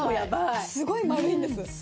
すごい丸いんです。